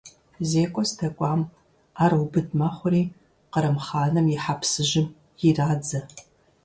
ЗекӀуэ здэкӀуам, Ӏэрыубыд мэхъури, Кърым хъаным и хьэпсыжьым ирадзэ.